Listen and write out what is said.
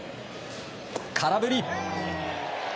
空振り。